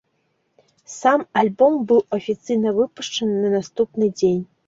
Сам альбом быў афіцыйна выпушчаны на наступны дзень.